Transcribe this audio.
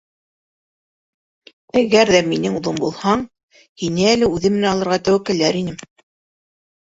— Әгәр ҙә минең улым булһаң, һине әле үҙем менән алырға тәүәккәлләр инем.